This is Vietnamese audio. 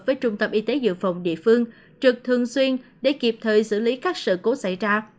với trung tâm y tế dự phòng địa phương trực thường xuyên để kịp thời xử lý các sự cố xảy ra